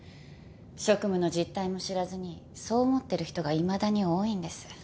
職務の実態も知らずにそう思ってる人がいまだに多いんです。